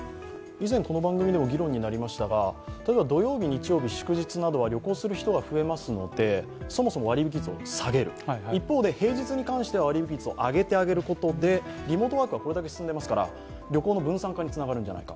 以前、この番組でも議論になりましたが、土曜日、日曜日、祝日などは旅行する人が増えますのでそもそも割引率を下げる、一方で平日に関しては割引率を上げてあげることでリモートワークがこれだけ進んでいますから旅行の分散化につながるんじゃないか。